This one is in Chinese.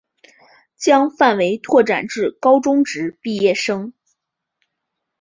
将范围拓展至高中职毕业生